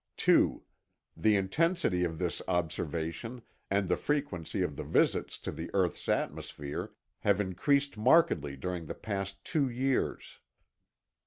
2. The intensity of this observation, and the frequency of the visits to the earth's atmosphere, have increased markedly during the past two years.